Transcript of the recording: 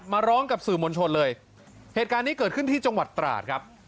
ร้องกับสื่อมวลชนเลยเหตุการณ์นี้เกิดขึ้นที่จังหวัดตราดครับ